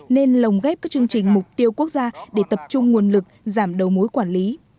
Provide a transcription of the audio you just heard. nên lồng ghép các chương trình mục tiêu quốc gia để tập trung nguồn lực giảm đầu mối quản lý